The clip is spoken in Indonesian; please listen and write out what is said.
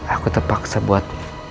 aku terpaksa buat